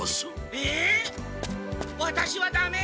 えっワタシはダメ？